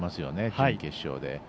準決勝でも。